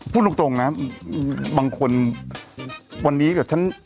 พูดตรงนะบางคนวันนี้กับฉัน